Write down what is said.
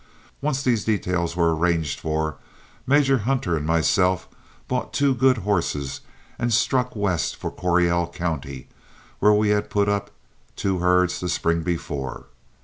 Once these details were arranged for, Major Hunter and myself bought two good horses and struck west for Coryell County, where we had put up two herds the spring before.